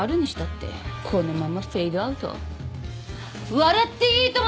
『笑っていいとも！』